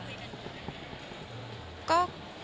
เจอค่ะ